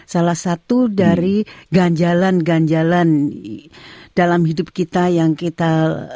salah satu dari ganjalan ganjalan dalam hidup kita yang kita